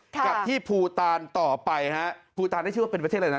กับที่ภูตานต่อไปฮะภูตานนี่ชื่อว่าเป็นประเทศอะไรนะ